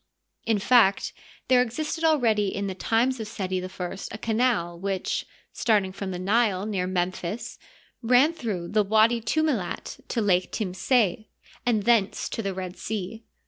In fact, there existed already in the times of Seti I a canal which, starting from the Nile, near Memphis, ran through the Watdi Tumilit to Lake Timseh, and thence to the Red Sea.